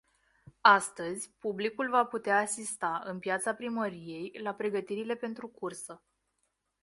Astăzi, publicul va putea asista, în piața primăriei, la pregătirile pentru cursă.